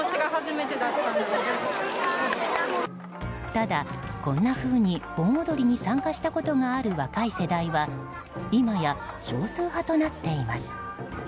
ただ、こんなふうに盆踊りに参加したことがある若い世代は今や、少数派となっています。